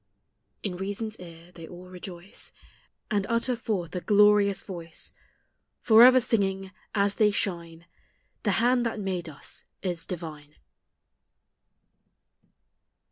In Reason's ear they all rejoice, And utter forth a glorious voice, Forever singing, as they shine, " The hand that made us is divine